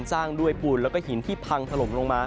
สร้างด้วยภูลและหินที่พังถลงมา